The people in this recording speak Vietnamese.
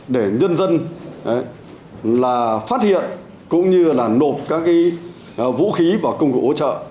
để nhân dân phát hiện cũng như nộp các vũ khí và công cụ ổ trợ